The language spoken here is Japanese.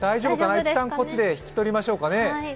一旦こっちで引き取りましょうかね。